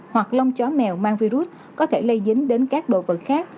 hoặc lông chó mèo mang virus có thể lây dính đến các đồ vật khác